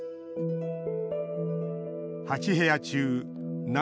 ８部屋中７